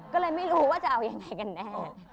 ก็เลยไม่รู้ว่าจะเอายังไงกันแน่